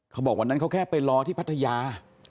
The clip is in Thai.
เขาบอกวันนั้นเขาแค่ไปรอที่พัทยา